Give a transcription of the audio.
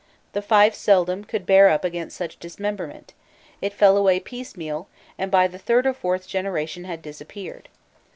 The fief seldom could bear up against such dismemberment; it fell away piecemeal, and by the third or fourth generation had disappeared.